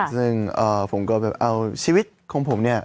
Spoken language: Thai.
ซึ่งผมก็แบบเอาชีวิตของผมเนี่ย